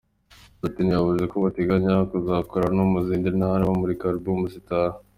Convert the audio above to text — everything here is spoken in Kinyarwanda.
Platini yavuze ko bateganya kuzakorera no mu zindi ntara bamurika album zitaha.